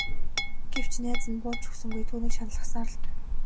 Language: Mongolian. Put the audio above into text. Гэвч найз нь бууж өгсөнгүй түүнийг шаналгасаар л байв.